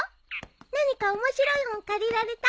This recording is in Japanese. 何か面白い本借りられた？